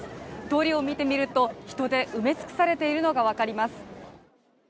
通りを見てみると、人で埋め尽くされているのがわかります。